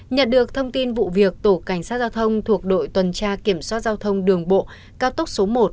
nhận được thông tin vụ việc tổ cảnh sát giao thông thuộc đội tuần tra kiểm soát giao thông đường bộ cao tốc số một